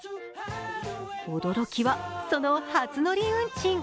驚きは、その初乗り運賃。